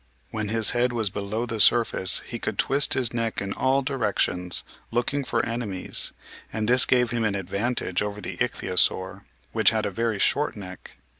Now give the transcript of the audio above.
When his head was below the surface he could twist his neck in all directions, looking for enemies, and this gave him an advantage over the Ichthyosaur, which had a very short neck.